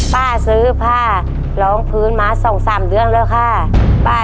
ป้าซื้อผ้าร้องพื้นมา๒๓เดือนแล้วค่ะ